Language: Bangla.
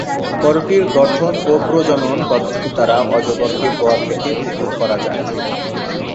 করোটির গঠন ও প্রজনন পদ্ধতি দ্বারা অজগরকে বোয়া থেকে পৃথক করা যায়।